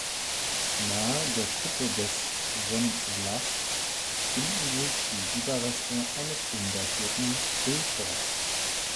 Nahe der Kuppe des Ven Law finden sich die Überreste eines undatierten Hillforts.